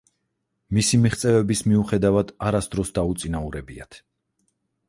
მისი მიღწევების მიუხედავად არასდროს დაუწინაურებიათ.